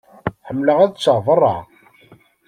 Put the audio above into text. Ḥemmleɣ ad ččeɣ berra.